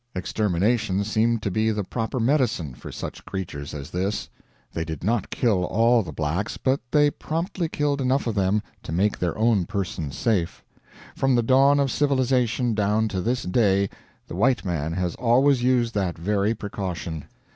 Extermination seemed to be the proper medicine for such creatures as this. They did not kill all the blacks, but they promptly killed enough of them to make their own persons safe. From the dawn of civilization down to this day the white man has always used that very precaution.